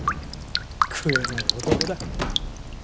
食えない男だ。